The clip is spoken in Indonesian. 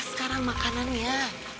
sekarang makanan ya